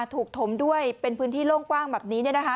ถูกถมด้วยเป็นพื้นที่โล่งกว้างแบบนี้